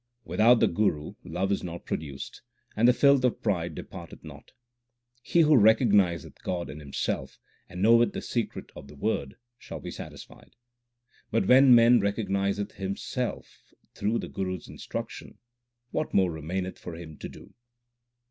Without the Guru love is not produced, and the filth of pride departeth not. He who recognizeth God in himself, and knoweth the secret of the Word, shall be satisfied : But when man recognizeth himself through the Guru s instruction, what more remaineth for him to do